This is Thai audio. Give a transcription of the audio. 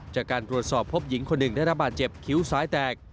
จากการตรวจสอบพบหญิงคนหนึ่งได้รับบาดเจ็บคิ้วซ้ายแตก